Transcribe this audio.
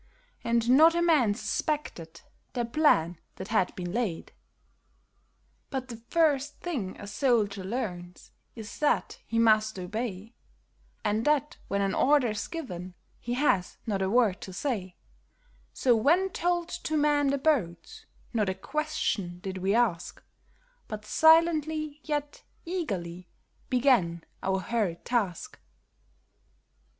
And not a man suspected the plan that had been laid. But the first thing a soldier learns is that he must obey, And that when an order's given he has not a word to say ; So when told to man the boats, not a question did we ask, But silently, yet eagerly, began our hurried task.